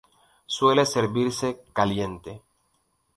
Suele servirse caliente.